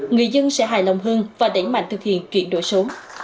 người dân sẽ hài lòng hơn và đẩy mạnh thực hiện chuyển đổi số